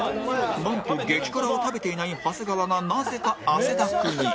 なんと激辛を食べていない長谷川がなぜか汗だくに